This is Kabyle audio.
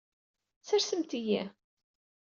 Sersemt-iyi.